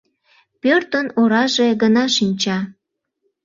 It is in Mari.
Пӧртын ораже гына шинча.